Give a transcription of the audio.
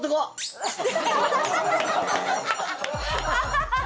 ハハハハ！